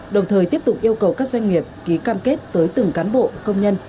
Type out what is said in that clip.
đồng thời tiếp tục yêu cầu các doanh nghiệp ký cam kết tới từng cán bộ công nhân